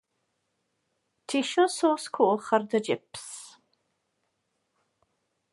Tisio sôs coch ar dy jips?